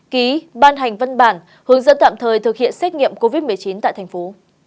ký ban hành văn bản hướng dẫn tạm thời thực hiện xét nghiệm covid một mươi chín tại thành phố